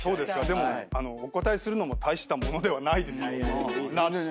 でもお答えするのも大したものではないですよ。